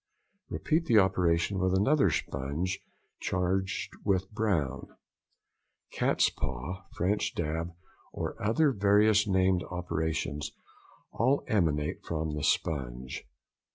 Repeat the operation with another sponge charged with brown. Cat's paw, French dab, and other various named operations all emanate from the sponge.